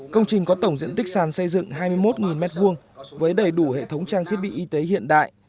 công trình có tổng diện tích sàn xây dựng hai mươi một m hai với đầy đủ hệ thống trang thiết bị y tế hiện đại